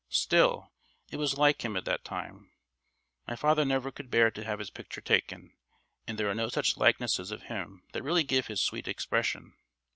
Still, it was like him at that time. My father never could bear to have his picture taken, and there are no likenesses of him that really give his sweet expression.